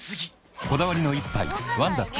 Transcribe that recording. こだわりの一杯「ワンダ極」